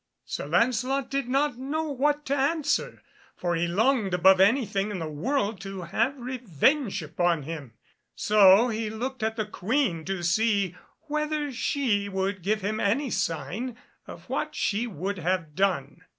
Sir Lancelot did not know what to answer, for he longed above anything in the world to have revenge upon him; so he looked at the Queen to see whether she would give him any sign of what she would have done.